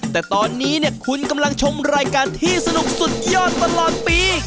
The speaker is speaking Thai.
แต่ตอนนี้เนี่ยคุณกำลังชมรายการที่สนุกสุดยอดตลอดปี